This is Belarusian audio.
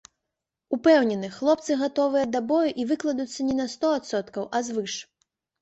Упэўнены, хлопцы гатовыя да бою і выкладуцца не на сто адсоткаў, а звыш.